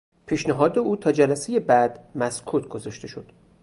پیشنهاد او تا جلسهی بعد مسکوت گذاشته شد.